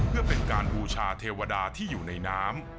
เพื่อเป็นการบูชาเทวดาที่อยู่ในน้ำ